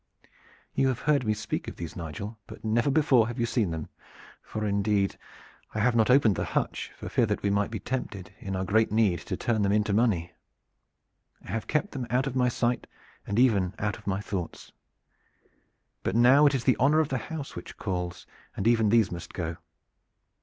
"You have heard me speak of these, Nigel, but never before have you seen them, for indeed I have not opened the hutch for fear that we might be tempted in our great need to turn them into money. I have kept them out of my sight and even out of my thoughts. But now it is the honor of the house which calls, and even these must go.